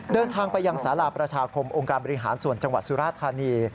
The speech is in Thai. เดินทางไปยังสาราประชาคมองค์การบริหารส่วนจังหวัดสุราธานี